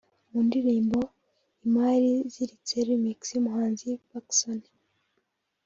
mu ndirimbo ‘Imari Iziritse Remix’ y’umuhanzi Pacson